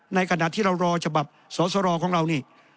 ขณะที่เรารอฉบับสอสรของเรานี่